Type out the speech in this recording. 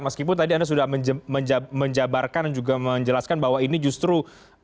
meskipun tadi anda sudah menjabarkan dan juga menjelaskan bahwa ini justru